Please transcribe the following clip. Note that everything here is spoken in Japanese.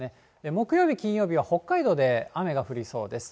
木曜日、金曜日は北海道で雨が降りそうです。